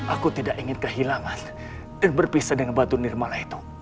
aku tidak ingin kehilangan dan berpisah dengan batu nirmalah itu